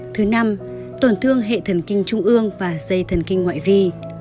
thứ năm tổn thương hệ thần kinh trung ương và dây thần kinh ngoại vi